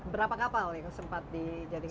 berapa kapal yang sempat dijadikan